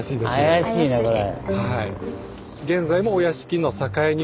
怪しいねこれ。